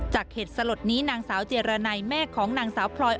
เหตุสลดนี้นางสาวเจรนัยแม่ของนางสาวพลอย